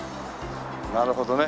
なるほどね。